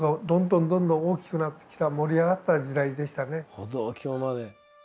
歩道橋まで。